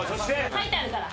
書いてあるから。